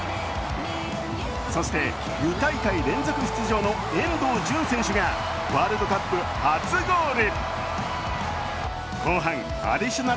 そして、２大会連続出場の遠藤純選手がワールドカップ初ゴール。